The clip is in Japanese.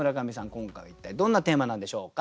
今回は一体どんなテーマなんでしょうか。